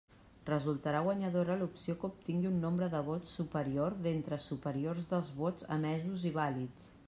Resultarà guanyadora l'opció que obtingui un nombre de vots superior d'entre superiors dels vots emesos i vàlids.